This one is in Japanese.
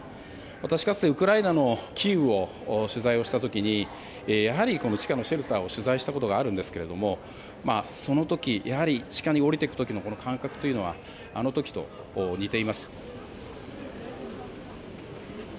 私かつて、ウクライナのキーウを取材した時にやはり、この地下のシェルターを取材したことがあるんですけれどもその時、地下に下りていく時の感覚というのはあの時と似ています。